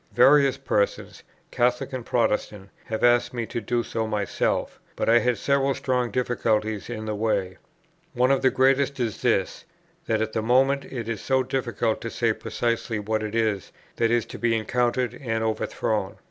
Various persons, Catholic and Protestant, have asked me to do so myself; but I had several strong difficulties in the way. One of the greatest is this, that at the moment it is so difficult to say precisely what it is that is to be encountered and overthrown.